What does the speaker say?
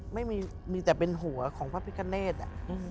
ไม่มีมีแต่เป็นหัวของพระพิกาเนธ